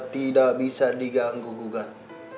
tidak bisa diganggu gugat